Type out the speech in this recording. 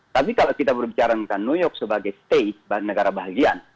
tapi kalau kita berbicara tentang new york sebagai state negara bahagia